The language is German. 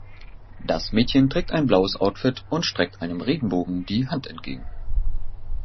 Das Mädchen trägt ein blaues Outfit und streckt einem Regenbogen die Hand entgegen